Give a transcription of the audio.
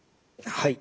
はい。